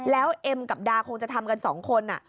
แล้วเอ็มกับดาคงจะทำกันสองคน